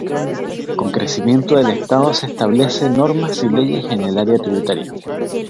Con el crecimiento del Estado se establece normas y leyes en el área tributaria.